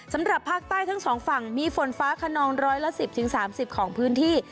สำหรับภาคใต้ทั้งสองฝั่งมีฝนฟ้าคนองร้อยละสิบถึงสามสิบของพื้นที่